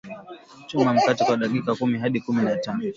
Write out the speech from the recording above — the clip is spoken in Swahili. choma mkate kwa dakika kumi hadi kumi na tano